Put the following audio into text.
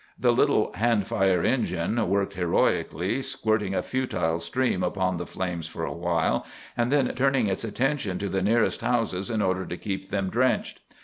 The little hand fire engine worked heroically, squirting a futile stream upon the flames for a while, and then turning its attention to the nearest houses in order to keep them drenched.